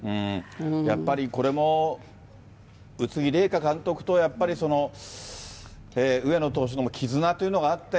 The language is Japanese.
やっぱりこれも、宇津木麗華監督とやっぱりその上野投手の絆というのがあって。